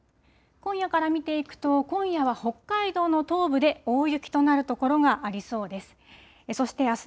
今夜から見ていくと、今夜は北海道の東部で大雪となる所がありそうです。